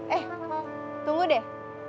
eh tunggu deh